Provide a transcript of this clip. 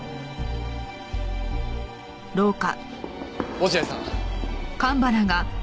落合さん。